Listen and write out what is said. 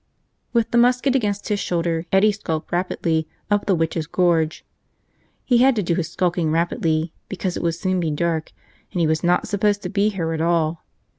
With the musket against his shoulder, Eddie skulked rapidly up the Witches' Gorge. He had to do his skulking rapidly because it would soon be dark and he was not supposed to be here at all.